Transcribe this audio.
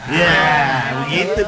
iya gitu dong